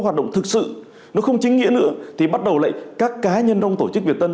hoạt động thực sự nó không chính nghĩa nữa thì bắt đầu lại các cá nhân trong tổ chức việt tân